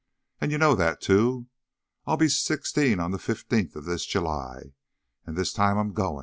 And you know that, too! I'll be sixteen on the fifteenth of this July. And this time I'm goin'!